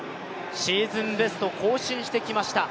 シーズンベストを更新してきました。